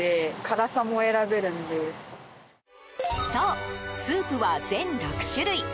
そう、スープは全６種類。